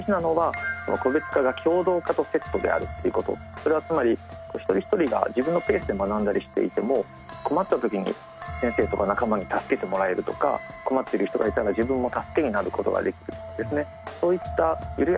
それはつまり一人一人が自分のペースで学んだりしていても困った時に先生とか仲間に助けてもらえるとか困ってる人がいたら自分も助けになることができるとかですね